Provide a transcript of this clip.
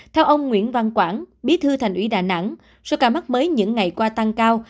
theo ông nguyễn văn quảng bí thư thành ủy đà nẵng số ca mắc mới những ngày qua tăng cao